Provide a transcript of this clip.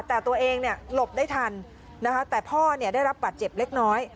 แต่ตัวเองเนี่ยหลบได้ทันนะคะแต่พ่อได้รับบัตรเจ็บเล็กน้อย